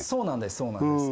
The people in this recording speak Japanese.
そうなんです